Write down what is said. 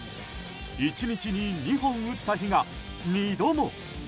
１日に２本打った日が２度も。